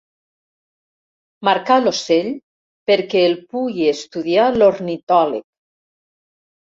Marcar l'ocell perquè el pugui estudiar l'ornitòleg.